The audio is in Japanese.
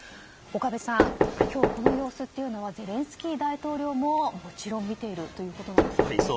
岡部さん、今日のこの様子というのはゼレンスキー大統領ももちろん見ているということです。